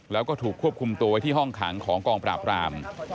แล้วก็ถูกควบคุมตัวไว้ที่ห้องขังของกองปราบราม